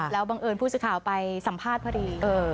แล้วบังเอิญผู้สื่อข่าวไปสัมภาษณ์พอดี